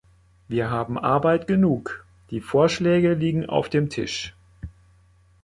Wir haben Arbeit genug, die Vorschläge liegen auf dem Tisch.